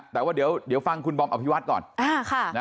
แต่ว่าเดี๋ยวฟังคุณบอมอภิวัตก่อน